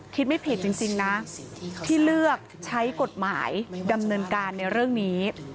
คิดไม่ผิดจริงนะที่เลือกใช้กฎหมายดำเนินการในเรื่องนี้